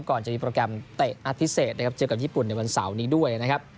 ก่อนจะมีโปรแกรมเตะนัดพิเศษนะครับเจอกับญี่ปุ่นในวันเสาร์นี้ด้วยนะครับ